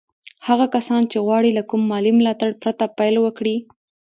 هغه کسان چې غواړي له کوم مالي ملاتړ پرته پيل وکړي.